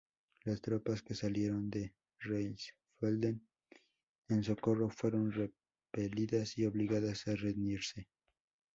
Las tropas que salieron de Rheinfelden en socorro fueron repelidas y obligadas a rendirse.